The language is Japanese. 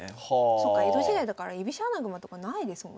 そっか江戸時代だから居飛車穴熊とかないですもんね。